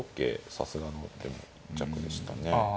さすがのでも一着でしたね。